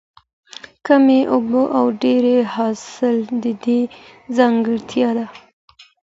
کمې اوبه او ډېر حاصل د دې ځانګړتیا ده.